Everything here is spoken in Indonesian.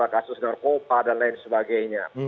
kasus narkoba dan lain sebagainya